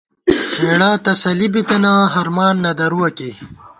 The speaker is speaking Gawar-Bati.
ہېڑہ تسلی بِتَنہ ، ہرمان نہ درُوَہ کی